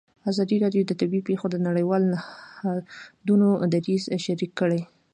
ازادي راډیو د طبیعي پېښې د نړیوالو نهادونو دریځ شریک کړی.